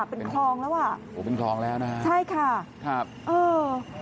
เป็นคลองแล้วอ่ะโอ้เป็นคลองแล้วนะฮะใช่ค่ะครับเออ